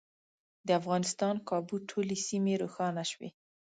د افغانستان کابو ټولې سیمې روښانه شوې.